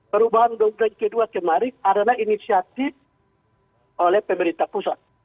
perubahan undang undang k dua kemarin adalah inisiatif oleh pemerintah pusat